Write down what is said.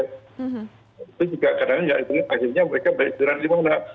itu juga kadang kadang akhirnya mereka beristirahat di mana